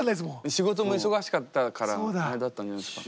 仕事も忙しかったからあれだったんじゃないですか。